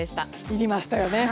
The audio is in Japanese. いりましたよね。